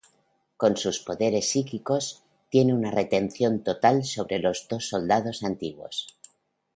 Con sus poderes psíquicos, tienen una retención total sobre los dos soldados antiguos.